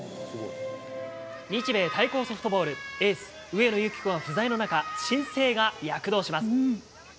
日米対抗ソフトボール、エース、上野由岐子が不在の中、新星が躍動します。